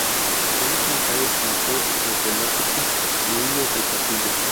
Ellison cae en shock desde el ático y huye del pasillo.